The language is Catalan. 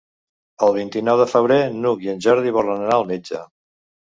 El vint-i-nou de febrer n'Hug i en Jordi volen anar al metge.